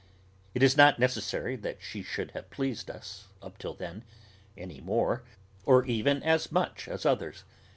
It is not necessary that she should have pleased us, up till then, any more, or even as much as others.